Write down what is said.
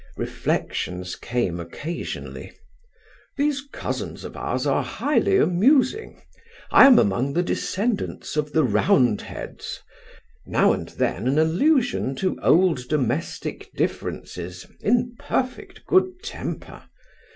Reflections came occasionally: "These cousins of ours are highly amusing. I am among the descendants of the Roundheads. Now and then an allusion to old domestic differences, in perfect good temper.